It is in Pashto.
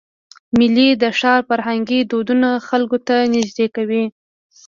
میلې د ښار فرهنګي دودونه خلکو ته نږدې کوي.